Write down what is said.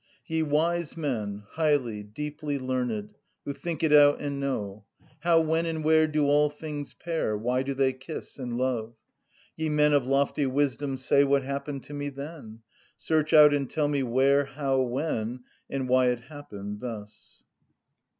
"Ye wise men, highly, deeply learned, Who think it out and know, How, when, and where do all things pair? Why do they kiss and love? Ye men of lofty wisdom, say What happened to me then; Search out and tell me where, how, when, And why it happened thus."